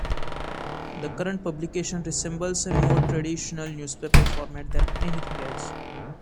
The current publication resembles a more traditional newspaper format than anything else.